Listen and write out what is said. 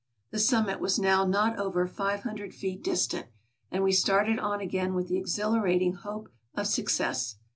The summit was now not over five hun dred feet distant, and we started on again with the exhilarat ing hope of success.